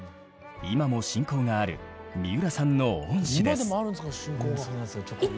今も親交がある三浦さんの恩師です。